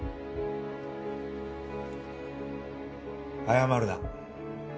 謝るな。